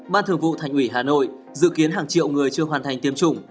ban thường vụ thành ủy hà nội dự kiến hàng triệu người chưa hoàn thành tiêm chủng